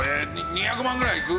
２００万ぐらいいく？